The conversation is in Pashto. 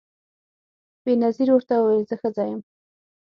بېنظیر ورته وویل زه ښځه یم